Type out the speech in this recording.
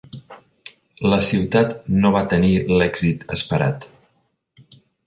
La ciutat no va tenir l'èxit esperat.